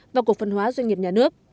và cộng văn hóa doanh nghiệp nhà nước